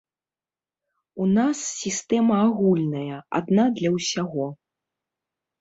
У нас сістэма агульная, адна для ўсяго.